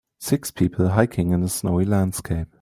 Six people hiking in a snowy landscape